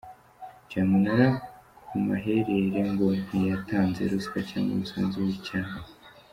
cyamunara ku maherere ngo ntiyatanze ruswa cyanga umusanzu w’Icyama